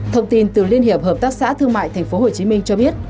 thông tin từ liên hiệp hợp tác xã thương mại tp hcm cho biết